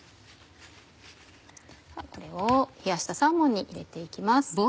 ではこれを冷やしたサーモンに入れて行きます。